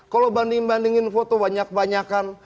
kalau banding bandingin foto banyak banyakan